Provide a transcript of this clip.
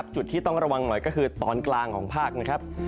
จุดที่ต้องระวังหน่อยก็คือตอนกลางของภาคนะครับ